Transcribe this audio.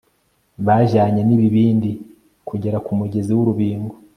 Bajyanye nibibindi kugera kumugezi wurubingo